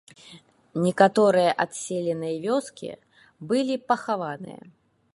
Некаторыя адселеныя вёскі былі пахаваныя.